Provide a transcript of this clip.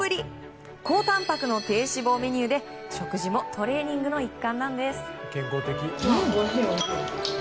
高たんぱくの低脂肪メニューで食事もトレーニングの一環なんです。